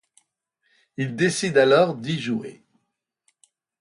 Ils décident alors d'y jouer.